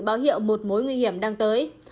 báo hiệu một mối nguy hiểm đang tới